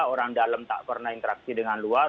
orang dalam tak pernah interaksi dengan luar